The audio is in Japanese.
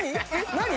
何？